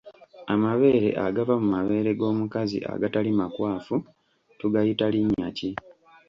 Amabeere agava mu mabeere g’omukazi agatali makwafu tugayita linnya ki?